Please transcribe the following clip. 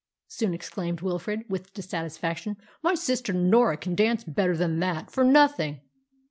soon exclaimed Wilfrid with dissatisfaction; "my sister Norah can dance better than that, for nothing!"